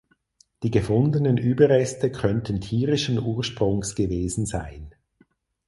Die gefundenen Überreste könnten tierischen Ursprungs gewesen sein.